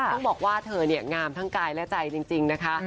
ต้องบอกว่าเธอเนี่ยงามทั้งกายและใจจริงนะคะ